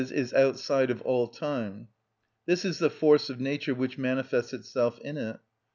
_, is outside of all time; this is the force of nature which manifests itself in it.